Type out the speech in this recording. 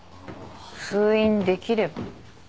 封印できればね。